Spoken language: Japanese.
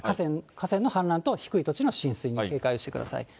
河川の氾濫と低い土地の浸水に警戒をしてください。